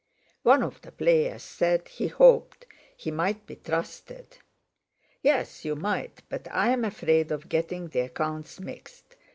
One of the players said he hoped he might be trusted. "Yes, you might, but I am afraid of getting the accounts mixed.